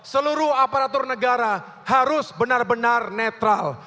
seluruh aparatur negara harus benar benar netral